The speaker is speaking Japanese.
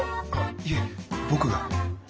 いえ僕が。